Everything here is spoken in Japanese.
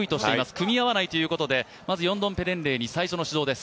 組み合わないということでまずヨンドンペレンレイに最初の指導です。